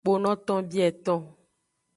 Kponoton bieton.